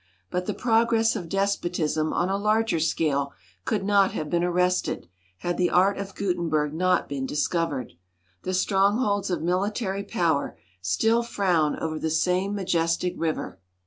But the progress of despotism on a larger scale could not have been arrested, had the art of Gutenberg not been discovered. The strongholds of military power still frown over the same majestic river.